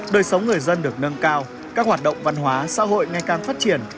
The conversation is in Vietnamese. đời sống người dân được nâng cao các hoạt động văn hóa xã hội ngày càng phát triển